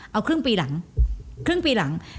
เอาครึ่งปีหลังครึ่งปีหลัง